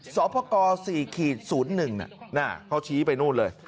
สภ๔๐๑น่ะเขาชี้ไปนู่นเลย